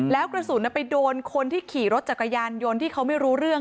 แล้วกระสุนไปโดนคนที่ขี่รถจักรยานยนต์ที่เขาไม่รู้เรื่อง